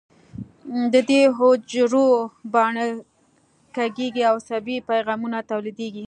د دې حجرو باڼه کږېږي او عصبي پیغامونه تولیدېږي.